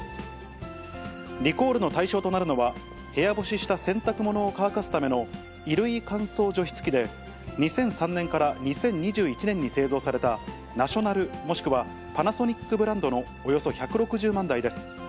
リコールの対象となるのは、部屋干しした洗濯物を乾かすための衣類乾燥除湿機で、２００３年から２０２１年に製造されたナショナル、もしくはパナソニックブランドのおよそ１６０万台です。